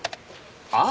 ああ！